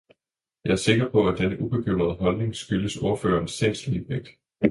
Jeg er sikker på, at denne ubekymrede holdning skyldes ordførerens sindsligevægt.